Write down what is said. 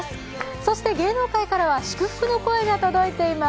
そして芸能界からは、祝福の声が届いています。